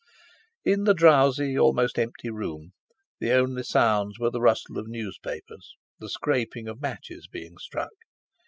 In the drowsy, almost empty room the only sounds were the rustle of newspapers, the scraping of matches being struck.